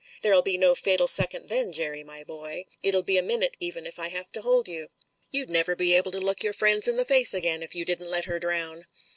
There'll be no fatal second then, Jerry, my boy. It'll be a minute even if I have to hold you. You'd never be able to look yotu* friends in the face again if you didn't let her drown."